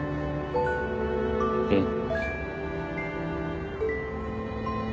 うん。